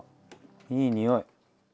いい匂い。